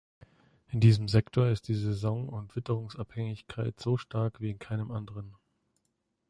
In diesem Sektor ist die Saison- und Witterungsabhängigkeit so stark wie in keinem anderen.